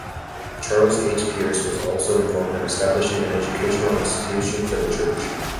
Charles H. Pearce was also involved in establishing an educational institution for the church.